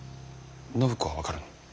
暢子は分かるの？